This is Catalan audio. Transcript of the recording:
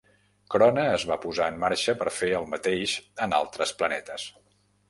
Krona es va posar en marxa per fer el mateix en altres planetes.